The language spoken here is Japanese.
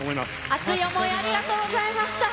熱い思い、ありがとうございました。